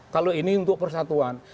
kalau ini untuk persatuan